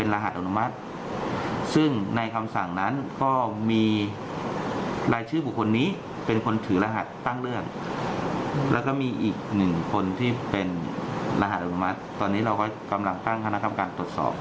รหัสอุปมัติตอนนี้เรากำลังตั้งคณะทำการตรวจสอบ